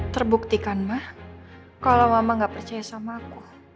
terbuktikan mah kalau mama gak percaya sama aku